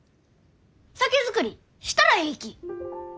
酒造りしたらえいき！